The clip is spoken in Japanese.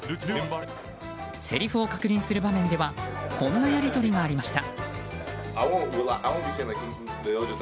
せりふを確認する場面ではこんなやり取りがありました。